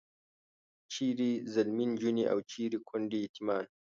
چیرې ځلمي نجونې او چیرې کونډې یتیمان.